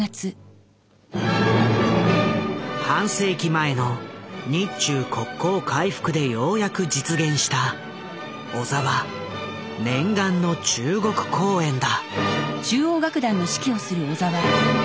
半世紀前の日中国交回復でようやく実現した小澤念願の中国公演だ。